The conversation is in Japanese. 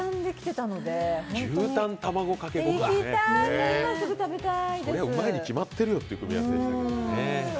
それはうまいに決まっているよという組み合わせでしたね。